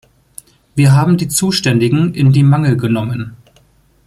Wir haben die Zuständigen in die Mangel genommen.